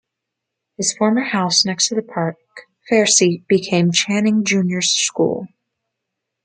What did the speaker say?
His former house next to the park, Fairseat, became Channing Junior School.